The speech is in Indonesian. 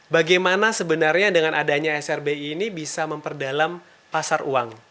bagaimana sebenarnya dengan adanya srbi ini bisa memperdalam pasar uang